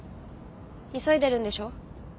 急いでるんでしょ。